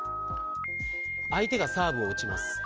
相手がサーブを打ちます。